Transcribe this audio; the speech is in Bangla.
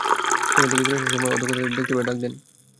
সেখান থেকে ফিরে আসার সময় অধ্যক্ষ তাদের দেখতে পেয়ে ডাক দেন।